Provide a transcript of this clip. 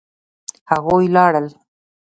هغوی لاړل.